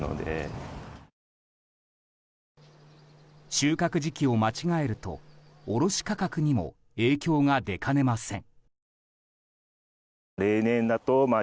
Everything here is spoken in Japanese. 収穫時期を間違えると卸価格にも影響が出かねません。